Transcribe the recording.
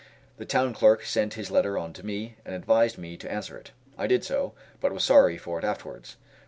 The town clerk sent his letter on to me, and advised me to answer it. I did so, but was sorry for it afterwards.